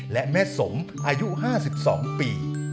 และแม่สมอายุ๕๒ปี